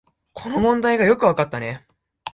よくこの問題がわかったね